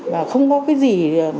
và không có cái gì